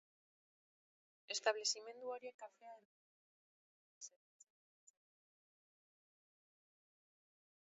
Establezimendu horiek kafea edo alkoholik gabeko edariak zerbitzatu ditzakete, eramateko bada.